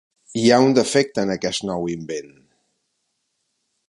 Hi ha un defecte en aquest nou invent.